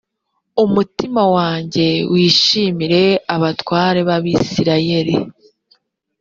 umutima wanjye wishimire abatware b abisirayeli